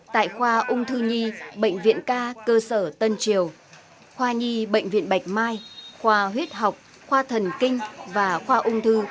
tại khoa ung thư nhi bệnh viện ca cơ sở tân triều khoa nhi bệnh viện bạch mai khoa huyết học khoa thần kinh và khoa ung thư